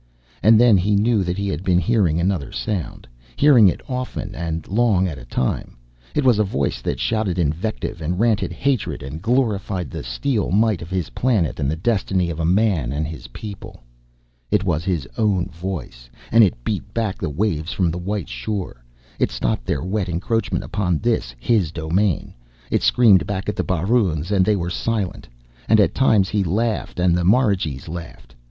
And then he knew that he had been hearing another sound, hearing it often and long at a time. It was a voice that shouted invective and ranted hatred and glorified the steel might of his planet and the destiny of a man and a people. It was his own voice, and it beat back the waves from the white shore, it stopped their wet encroachment upon this, his domain. It screamed back at the baroons and they were silent. And at times he laughed, and the marigees laughed.